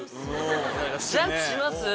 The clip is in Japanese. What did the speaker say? ジャンプします。